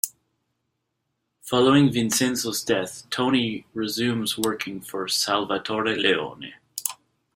Following Vincenzo's death, Toni resumes working for Salvatore Leone.